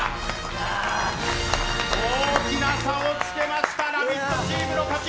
大きな差をつけました「ラヴィット！」チームの勝ち。